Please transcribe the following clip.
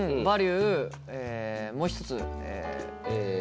もう一つ。